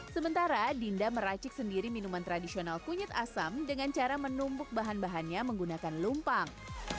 sementara dinda meracik sendiri minuman tradisional kunyit asam dengan cara menumpuk bahan bahannya menggunakan lumpang